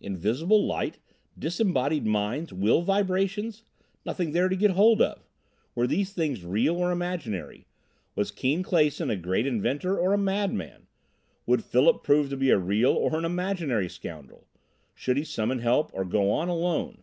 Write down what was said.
Invisible light disembodied minds will vibrations! Nothing there to get hold of. Were these things real or imaginary? Was Keane Clason a great inventor, or a madman? Would Philip prove to be a real or an imaginary scoundrel? Should he summon help, or go on alone?